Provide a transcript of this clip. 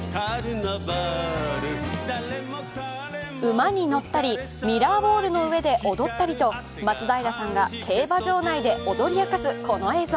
馬に乗ったり、ミラーボールの上で踊ったりと松平さんが競馬場内で踊り明かす、この映像。